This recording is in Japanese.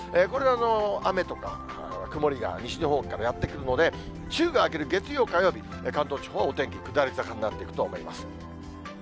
これは雨とか、曇りが西日本からやって来るので、週が明ける月曜、火曜日、関東地方はお天気、下り坂になっていくと思います。